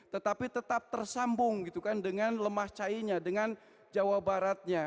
tetapi tetap tersambung dengan lemah cahinya dengan jawa baratnya